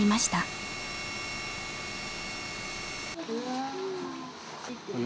・うわ。